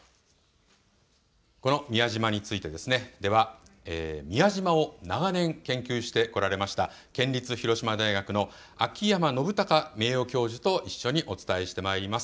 この宮島について宮島を長年研究してこられました県立広島大学の秋山伸隆名誉教授と一緒にお伝えしてまいります。